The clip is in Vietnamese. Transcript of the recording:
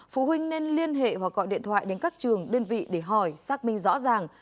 phụ huynh nên liên hệ hoặc gọi điện thoại đến các trường đơn vị để hỏi xác minh rõ ràng